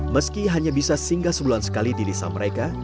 meski hanya bisa singgah sebulan sekali di desa mereka